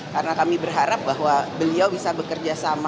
karena kami berharap bahwa beliau bisa bekerja sama